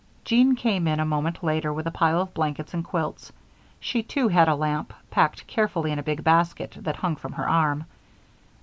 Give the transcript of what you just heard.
Jean came in a moment later with a pile of blankets and quilts. She, too, had a lamp, packed carefully in a big basket that hung from her arm.